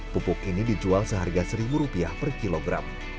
pupuk ini dijual seharga seribu rupiah per kilogram